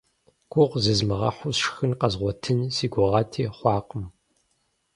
Гугъу зезмыгъэхьу сшхын къэзгъуэтын си гугъати, хъуакъым.